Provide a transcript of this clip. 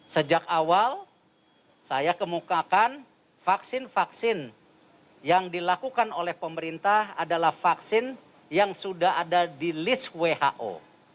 sejak awal saya kemukakan vaksin vaksin yang dilakukan oleh pemerintah adalah vaksin yang sudah ada di list who